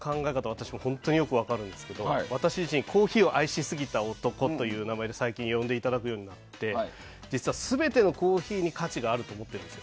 私も本当によく分かるんですけど私自身コーヒーを愛しすぎたという男で最近呼んでいただくようになって実は全てのコーヒーに価値があると思っていて。